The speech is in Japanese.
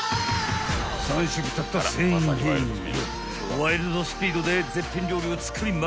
［ワイルドスピードで絶品料理を作りまくる